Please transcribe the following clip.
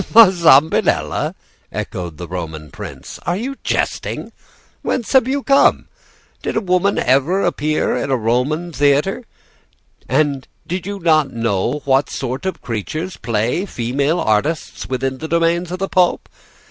"'La Zambinella!' echoed the Roman prince. 'Are you jesting? Whence have you come? Did a woman ever appear in a Roman theatre? And do you not know what sort of creatures play female parts within the domains of the Pope?